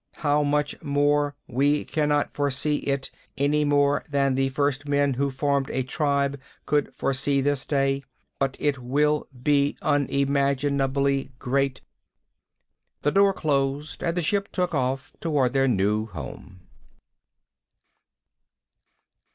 How much more? We cannot foresee it any more than the first men who formed a tribe could foresee this day. But it will be unimaginably great." The door closed and the ship took off toward their new home.